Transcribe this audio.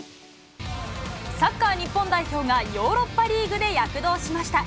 サッカー日本代表がヨーロッパリーグで躍動しました。